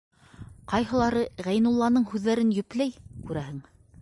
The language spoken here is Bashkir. Ҡайһылары Ғәйнулланың һүҙҙәрен йөпләй, күрәһең: